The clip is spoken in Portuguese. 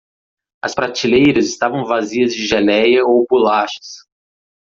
As prateleiras estavam vazias de geléia ou bolachas.